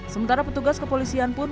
sementara petugas kepolisian pun